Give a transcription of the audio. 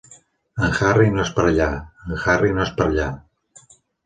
En Harry no és per allà, en Harry no és per allà.